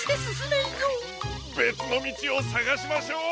べつのみちをさがしましょう。